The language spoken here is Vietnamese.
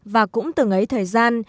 và cũng từ ngấy thời gian